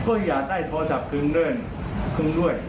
ก็อยากได้โทรศัพท์คืนด้วย